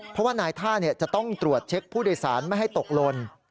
เพราะว่านายท่าจะต้องตรวจเช็คผู้โดยสารไม่ให้ตกลน